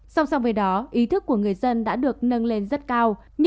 song song với đó ý thức của người dân đã được nâng lên rất cao